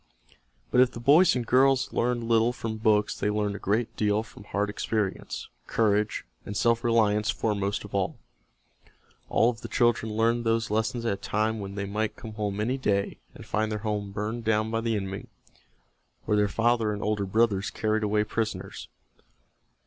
But if the boys and girls learned little from books they learned a great deal from hard experience; courage and self reliance foremost of all. All of the children learned those lessons at a time when they might come home any day and find their home burned down by the enemy or their father and older brothers carried away prisoners.